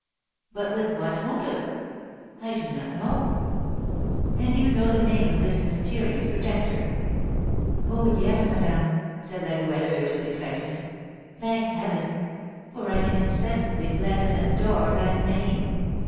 "But with what motive?" "I do not know." "And do you know the name of this mysterious protector?" "Oh, yes, madame," said La Goualeuse, with excitement; "thank Heaven! For I can incessantly bless and adore that name.